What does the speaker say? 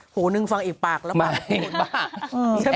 โหนึงฟังอีกปากแล้วก็ฟังอีกปาก